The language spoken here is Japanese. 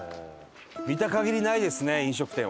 見た限りないですね飲食店は。